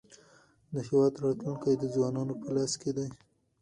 د هېواد راتلونکی د ځوانانو په لاس کې دی.